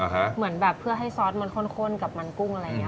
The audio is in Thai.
เหมือนแบบเพื่อให้ซอสมันข้นกับมันกุ้งอะไรอย่างนี้